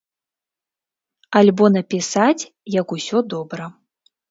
Альбо напісаць, як усё добра.